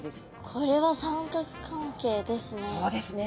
これは三角関係ですね。